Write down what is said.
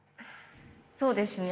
そうですね。